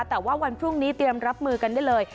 แต่ว่าวันพรุ่งนี้เตรียมรับมือกันได้เลย